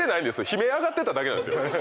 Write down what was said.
悲鳴上がってただけなんですよ。